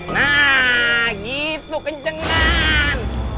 nah gitu kencengan